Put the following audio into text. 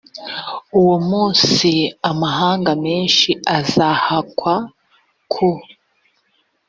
uwo munsi amahanga menshi azahakwa ku